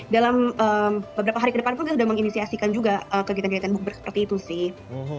dalam beberapa hari ke depan pun kita sudah menginisiasikan juga kegiatan kegiatan bukber seperti itu sih